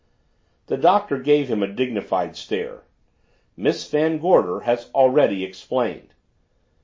The Doctor gave him a dignified stare. "Miss Van Gorder has already explained."